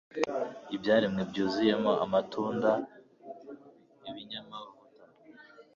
Ibyaremwe byuzuyemo amatunda, ibinyamavuta,